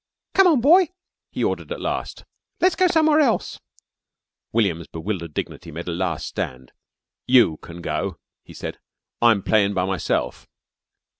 "Come on, boy!" he ordered at last. "Let's go somewhere else." William's bewildered dignity made a last stand. "You can go," he said. "I'm playin' by myself."